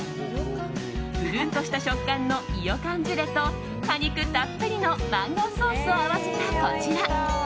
プルンとした食感のいよかんジュレと果肉たっぷりのマンゴーソースを合わせたこちら。